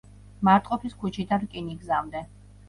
მარტყოფის ქუჩიდან რკინიგზამდე.